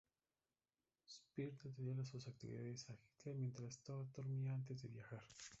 Speer detalló sus actividades a Hitler mientras Todt dormía antes de viajar.